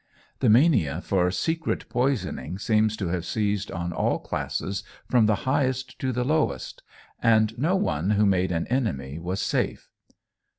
The mania for secret poisoning seems to have seized on all classes from the highest to the lowest, and no one who made an enemy was safe.